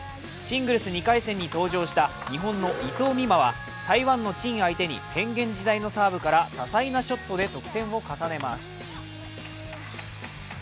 シングルス２回戦に登場した日本の伊藤美誠は台湾の陳相手に変幻自在のサーブから多彩なショットで得点を重ねます。